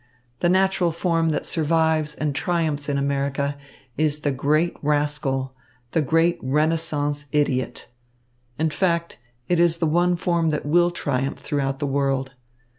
The natural form that survives and triumphs in America is the great rascal, the great Renaissance idiot. In fact, it is the one form that will triumph throughout the world.